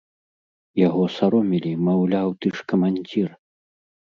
Яго саромілі, маўляў, ты ж камандзір!